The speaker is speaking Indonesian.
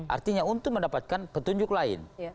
artinya untuk mendapatkan petunjuk lain